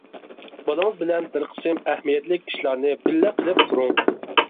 بالىڭىز بىلەن بىر قىسىم ئەھمىيەتلىك ئىشلارنى بىللە قىلىپ تۇرۇڭ.